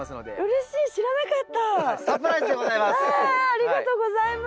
ありがとうございます。